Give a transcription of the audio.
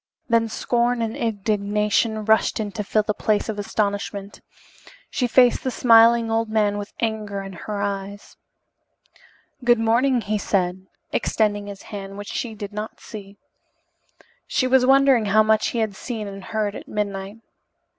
Then scorn and indignation rushed in to fill the place of astonishment. She faced the smiling old man with anger in her eyes. "Good morning," he said, extending his hand, which she did not see. She was wondering how much he had seen and heard at midnight.